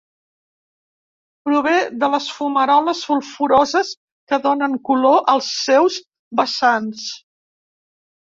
Prové de les fumaroles sulfuroses que donen color als seus vessants.